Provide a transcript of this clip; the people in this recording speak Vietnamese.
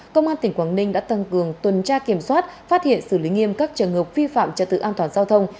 công an tỉnh quảng ninh đã tăng cường tuần tra kiểm soát phát hiện xử lý nghiêm các trường hợp vi phạm trật tự an toàn giao thông